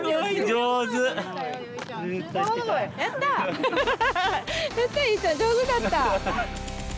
上手だった。